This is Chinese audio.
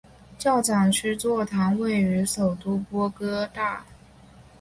教长区座堂位于首都波哥大。